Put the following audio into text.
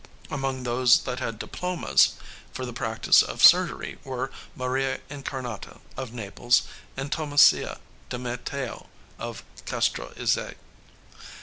Among those that had diplomas for the practice of surgery were Maria Incarnata, of Naples, and Thomasia de Matteo, of Castro Isiae.